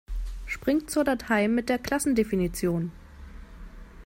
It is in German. Spring zur Datei mit der Klassendefinition!